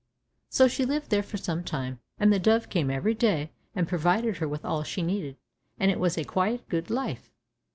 So she lived there for some time, and the dove came every day and provided her with all she needed, and it was a quiet good life.